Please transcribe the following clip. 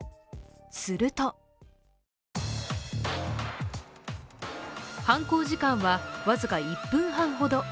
すると犯行時間は僅か１分半ほど。